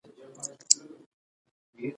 پړانګ د تودو سیمو اوسېدونکی دی.